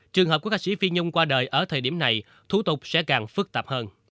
trường hợp của ca sĩ phi nhung qua đời ở thời điểm này thủ tục sẽ càng phức tạp hơn